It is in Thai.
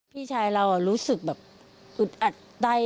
พี่ชายเรารู้สึกแบบอึดอัดใจ